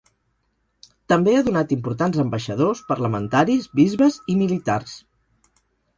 També ha donat importants ambaixadors, parlamentaris, bisbes i militars.